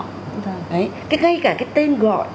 ngay cả cái tên gọi